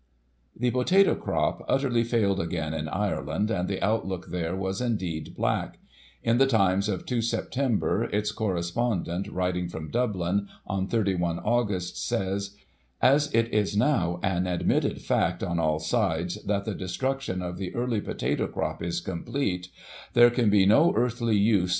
The potato crop utterly failed again in Ireland, and the outlook there was indeed black. In the Times of 2 Sep., its correspondent, writing from Dublin, on 3 1 Aug., says :" As it is now an admitted fact, on all sides, that the destruction of the early potato crop is complete, there can be no earthly use Digiti ized by Google 298 GOSSIP.